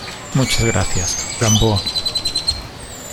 muchas gracias, Gamboa.